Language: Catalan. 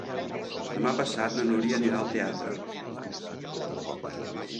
Demà passat na Núria anirà al teatre.